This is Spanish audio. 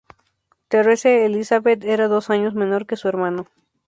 Therese Elisabeth era dos años menor que su hermano.